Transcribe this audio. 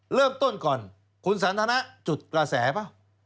เริ่มต้นก่อนคุณสันทนะจุดกระแสเปล่า